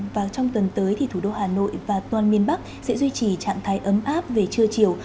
và trong tuần tới thì thủ đô hà nội và toàn miền bắc sẽ duy trì trạng thái ấm áp về trưa chiều